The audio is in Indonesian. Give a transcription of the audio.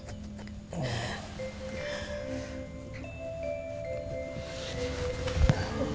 jam berapa sekarang